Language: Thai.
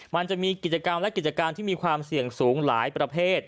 มันจะมีกิจกรรมและกิจการที่มีความเสี่ยงสูงหลายประเภท